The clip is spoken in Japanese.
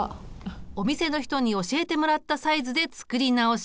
お店の人に教えてもらったサイズで作り直し。